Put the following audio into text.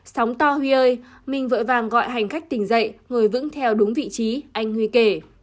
sóng to huy ơi mình vội vàng gọi hành khách tỉnh dậy ngồi vững theo đúng vị trí anh huy kể